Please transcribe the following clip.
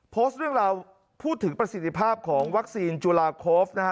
โพสต์เรื่องราวพูดถึงประสิทธิภาพของวัคซีนจุลาโคฟนะฮะ